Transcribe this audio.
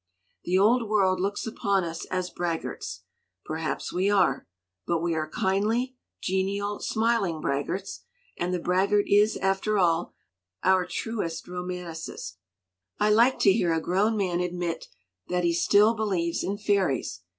"The Old World looks upon us as braggarts. Perhaps we are, but we are kindly, genial, smiling braggarts and the braggart is, after all, our truest romanticist. "I like to hear a grown man admit that he still believes in fairies.